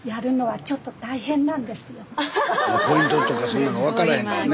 スタジオポイントとかそんなん分からへんからね。